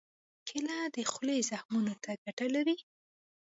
کېله د خولې زخمونو ته ګټه لري.